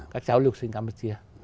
các cháu lưu sinh campuchia